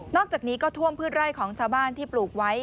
อกจากนี้ก็ท่วมพืชไร่ของชาวบ้านที่ปลูกไว้